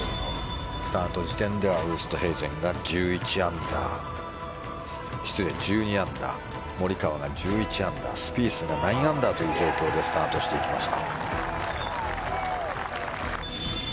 スタート時点ではウーストヘイゼンが１２アンダーモリカワが１１アンダースピースが９アンダーという状況でスタートしていきました。